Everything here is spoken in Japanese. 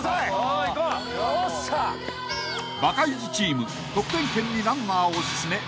［バカイジチーム得点圏にランナーを進め